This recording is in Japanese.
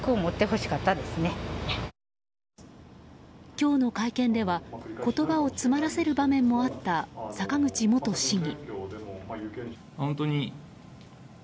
今日の会見では言葉を詰まらせる場面もあった坂口元市議。